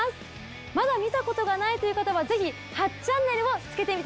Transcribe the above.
まだ見たことがないという方はぜひ８チャンネルをつけてみてください。